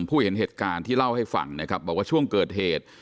เห็นเหตุการณ์ที่เล่าให้ฟังนะครับบอกว่าช่วงเกิดเหตุ